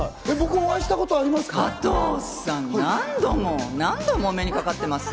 お会いしたこと加藤さん、加藤さん、何度もお目にかかってますよ？